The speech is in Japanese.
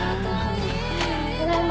ただいま。